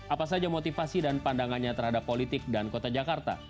apa saja motivasi dan pandangannya terhadap politik dan kota jakarta